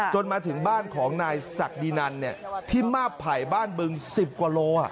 จนมาถึงบ้านของนายศักดินันเนี่ยที่มาผ่ายบ้านเบิ่ง๑๐กว่าโลอ่ะ